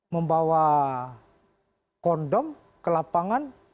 membawa kondom ke lapangan